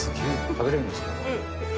食べられるんですか？